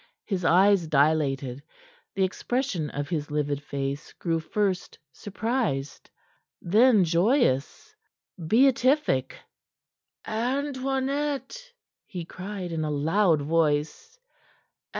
His eyes dilated; the expression of his livid face grew first surprised, then joyous beatific. "Antoinette!" he cried in a loud voice.